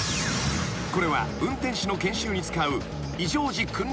［これは運転士の研修に使う］